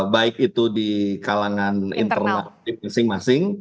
baik itu di kalangan internal masing masing